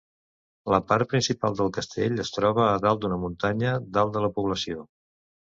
La part principal del castell es troba a dalt d'una muntanya dalt de la població.